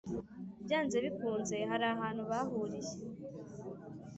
byanze bikunze harahantu bahuriye